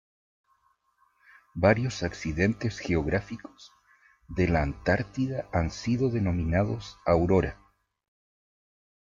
Varios accidentes geográficos de la Antártida han sido denominados "Aurora".